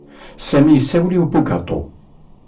Sami issawel i bugaṭu.